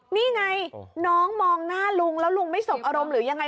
นี่ไงน้องมองหน้าลุงแล้วลุงไม่สมอารมณ์หรือยังไง